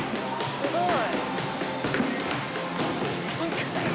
すごい！